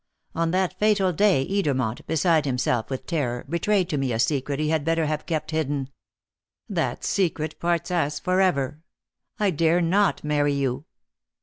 On that fatal day Edermont, beside himself with terror, betrayed to me a secret he had better have kept hidden. That secret parts us for ever. I dare not marry you."